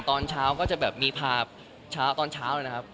ตอนเช้าก็จะมีพาตอนเช้าเลยนะครับ